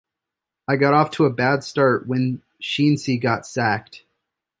I got off to a bad start when Sheensy got sacked.